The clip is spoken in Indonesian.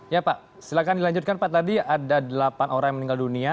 ya pak silakan dilanjutkan pak tadi ada delapan orang yang meninggal dunia